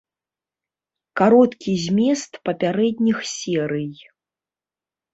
Кароткі змест папярэдніх серый.